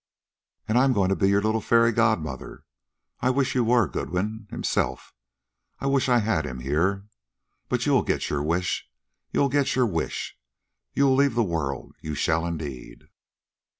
"And I am going to be your little fairy godmother. I wish you were Goodwin himself! I wish I had him here. But you'll get your wish you'll get your wish. You'll leave the world, you shall, indeed."